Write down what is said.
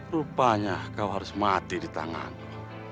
rupanya kau harus mati di tanganku